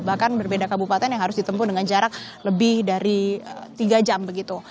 bahkan berbeda kabupaten yang harus ditempuh dengan jarak lebih dari tiga jam begitu